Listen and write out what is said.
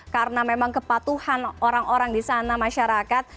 karena memang kepatuhan orang orang di sana masyarakat